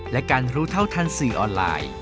และการรู้เท่าทันสื่อออนไลน์